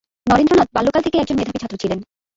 নরেন্দ্রনাথ বাল্যকাল থেকেই একজন মেধাবী ছাত্র ছিলেন।